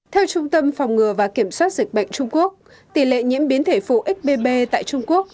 theo trung tâm phòng ngừa và kiểm soát dịch bệnh trung quốc tỷ lệ nhiễm biến thể phụ xbb tại trung quốc